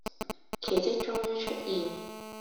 奇蹟終於出現